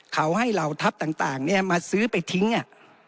เขาให้เหล่าทัพต่างเนี่ยมาซื้อไปทิ้งอ่ะ